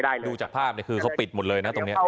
ดูจากภาพเนี่ยคือเขาปิดหมดเลยนะตรงนี้